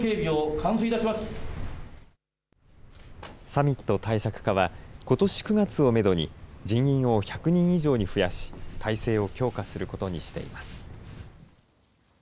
サミット対策課は、ことし９月をめどに人員を１００人以上に増やし体制を強化することにしています。